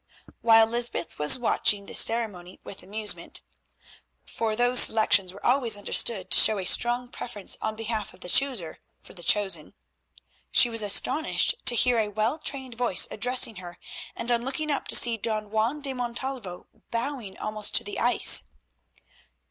While Lysbeth was watching this ceremony with amusement—for these selections were always understood to show a strong preference on behalf of the chooser for the chosen—she was astonished to hear a well trained voice addressing her, and on looking up to see Don Juan de Montalvo bowing almost to the ice.